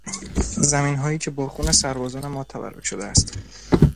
زمینهایی که با خون سربازان ما تبرک شده است